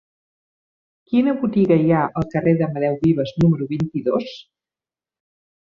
Quina botiga hi ha al carrer d'Amadeu Vives número vint-i-dos?